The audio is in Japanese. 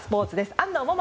安藤萌々